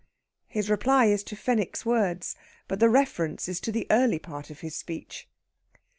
His reply is to Fenwick's words, but the reference is to the early part of his speech.